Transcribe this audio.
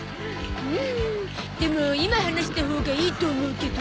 うんでも今話したほうがいいと思うけど。